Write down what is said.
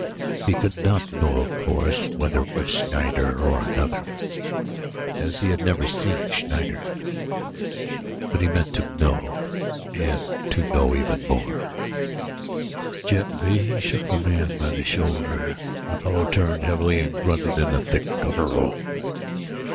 He could not know, of course, whether it was Schneider or another, as he had never seen Schneider; but he meant to know and to know even more. Gently he shook the man by the shoulder. The fellow turned heavily and grunted in a thick guttural.